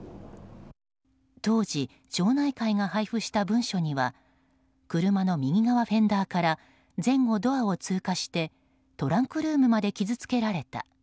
当時、町内会が配布した文書には車の右側フェンダーから前後ドアを通過してトランクルームまで傷つけられた。